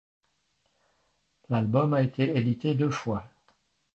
L'album a été édité deux fois.